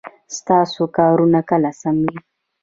ستاسو کارونه کله سم وه ؟